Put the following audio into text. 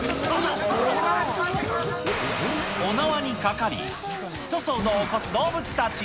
お縄にかかり、ひと騒動起こす動物たち。